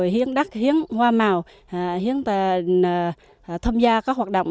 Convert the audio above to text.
hiến đất hiến hoa màu hiến tham gia các hoạt động